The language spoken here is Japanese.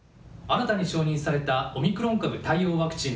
新たに承認されたオミクロン株対応ワクチン。